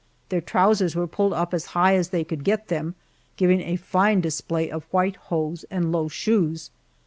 Their trousers were pulled up as high as they could get them, giving a fine display of white hose and low shoes.